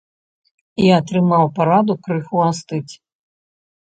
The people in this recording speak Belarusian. І атрымаў параду крыху астыць.